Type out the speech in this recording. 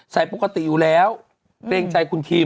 ใส่ก็ปกติอยู่แล้วเพรงใจคุณทิม